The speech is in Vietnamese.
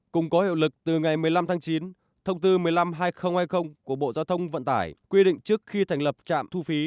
cùng có hiệu lực từ ngày một mươi năm tháng chín thông tư một mươi năm hai nghìn hai mươi của bộ giao thông vận tải quy định trước khi thành lập trạm thu phí